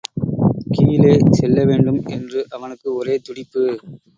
கீழே செல்ல வேண்டும் என்று அவனுக்கு ஒரே துடிப்பு.